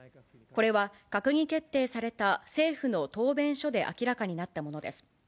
これは閣議決定された政府の答弁書で明らかになったものです。